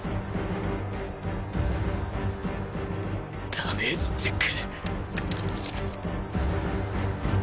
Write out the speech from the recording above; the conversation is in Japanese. ダメージチェック。